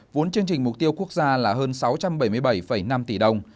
vốn chương trình mục tiêu quốc gia là hơn sáu trăm bảy mươi bảy năm tỷ đồng